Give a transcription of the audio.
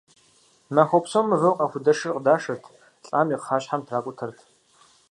Махуэ псом мывэу къахудэшыр къыдашырти, лӀам и кхъащхьэм тракӀутэрт.